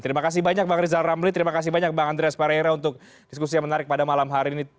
terima kasih banyak bang rizal ramli terima kasih banyak bang andreas parera untuk diskusi yang menarik pada malam hari ini